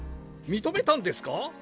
認めたんですか？